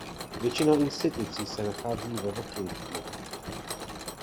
Většina institucí se nachází ve Washingtonu.